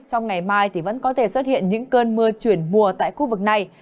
trong ngày mai vẫn có thể xuất hiện những cơn mưa chuyển mùa tại khu vực này